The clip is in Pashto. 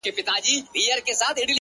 هغه وكړې سوگېرې پــه خـاموشـۍ كي ـ